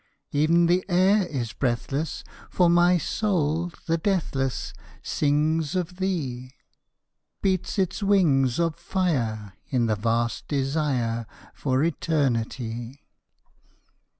E'en the air is breathless, For my soul, the deathless, Sings of thee. Beats its wings of fire, In the vast desire For eternity.